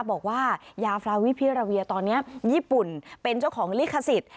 บอกว่ายาฟราวิพิราเวียตอนนี้ญี่ปุ่นเป็นเจ้าของลิขสิทธิ์